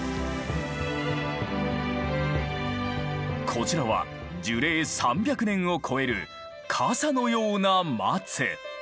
こちらは樹齢３００年を超える傘のような松。